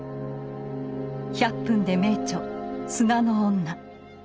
「１００分ｄｅ名著」「砂の女」。